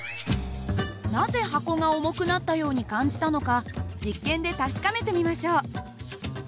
なぜ箱が重くなったように感じたのか実験で確かめてみましょう。